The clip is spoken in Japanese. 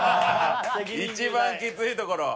一番きついところを。